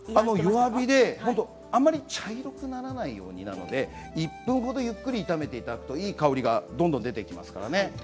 弱火であまり茶色くならないように１分ほどゆっくり炒めていただくといい香りがどんどん出てきますからね。